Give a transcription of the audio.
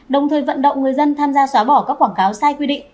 đồng thời vận động người dân tham gia xóa bỏ các quảng cáo sai quy định